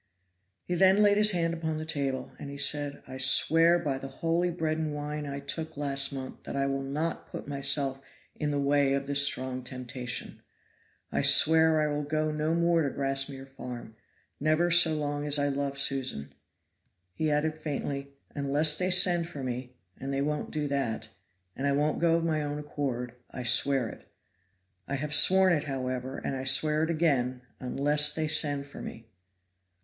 He then laid his hand upon the table, and he said: "I swear by the holy bread and wine I took last month that I will not put myself in the way of this strong temptation. I swear I will go no more to Grassmere Farm, never so long as I love Susan." He added faintly, "Unless they send for me, and they won't do that, and I won't go of my own accord, I swear it. I have sworn it, however, and I swear it again unless they send for me!"